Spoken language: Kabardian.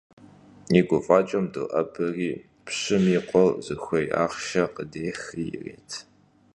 И гуфӀакӀэм доӀэбэри, пщым и къуэр зыхуей ахъшэр къыдехри ирет.